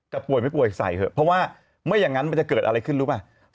ป่วยไม่ป่วยใส่เถอะเพราะว่าไม่อย่างนั้นมันจะเกิดอะไรขึ้นรู้ป่ะ